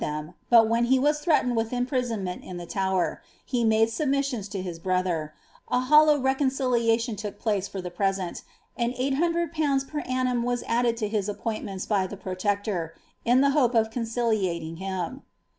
J 78 KATHARINS PAmm« thein, but when he was threatened with imprisonment in the Tower, be made submissions to his brother, a hollow reconciliation took (dace for tlie present, and 800/. per annum was added to his appointments by the protector, in the hope of conciliating him.'